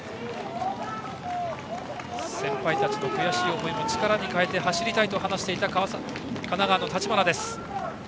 先輩たちの悔しい思いを力に変えて走りたいと話していた神奈川県の橘です。